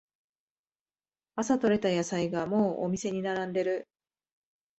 朝とれた野菜がもうお店に並んでる